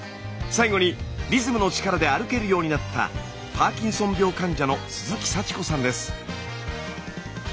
最後にリズムの力で歩けるようになったパーキンソン病患者の鈴木さち子さんです。